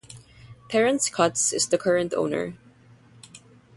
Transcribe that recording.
Terence Cutts is the current owner.